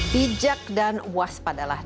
bijak dan waspadalah